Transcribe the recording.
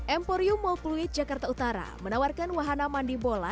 emporium mall pluit jakarta utara menawarkan wahana mandi bola